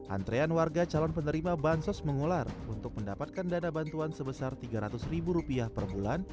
antrean warga calon penerima bansos mengular untuk mendapatkan dana bantuan sebesar tiga ratus ribu rupiah per bulan